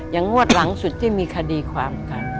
ทั้งหมวดหลังสุดที่มีคดีความการ